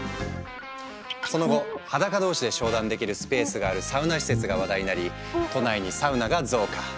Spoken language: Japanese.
その後裸同士で商談できるスペースがあるサウナ施設が話題になり都内にサウナが増加。